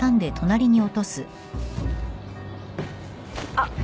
あっ。